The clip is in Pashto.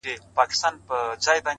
اوس له نړۍ څخه خپه يمه زه ـ